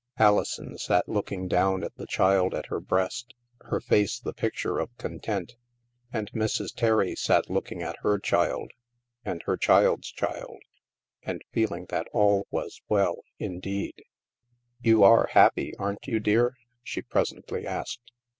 Alison sat looking down at the child at her breast, her face the picture of content. And Mrs. Terry sat looking at her child, and her child's child, and feeling that all was well, indeed. 214 THE MASK " You are happy, aren't you, dear ?" she pres^ ently asked.